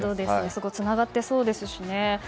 そこはつながってそうですしね。